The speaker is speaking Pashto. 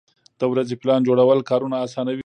د ورځې پلان جوړول کارونه اسانوي.